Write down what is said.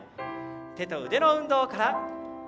手と腕の運動から。